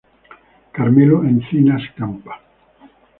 Carmelo Encinas Campa.